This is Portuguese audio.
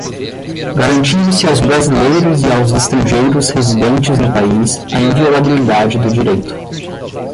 garantindo-se aos brasileiros e aos estrangeiros residentes no país a inviolabilidade do direito